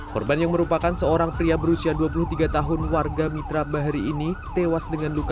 korban langsung terjatuh dan tubuhnya terlindas bus